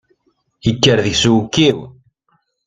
Ikker deg-s uwekkiw.